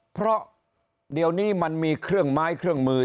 เพราะเดี๋ยวนี้มันมีเครื่องไม้เครื่องมือ